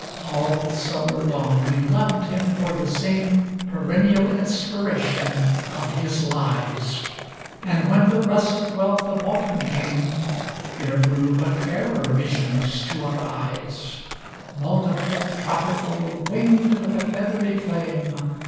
All summer long we loved him for the same Perennial inspiration of his lies; And when the russet wealth of autmnn came, There flew but fairer visions to our eyes — Multiple, tropical, winged with a feathery flame.